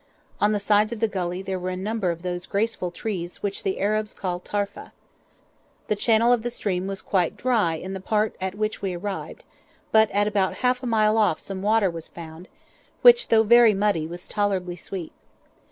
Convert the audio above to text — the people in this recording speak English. On the sides of the gully there were a number of those graceful trees which the Arabs call tarfa. The channel of the stream was quite dry in the part at which we arrived, but at about half a mile off some water was found, which, though very muddy, was tolerably sweet.